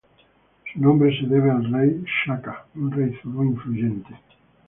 Su nombre se debe al Rey Shaka, un rey zulú influyente.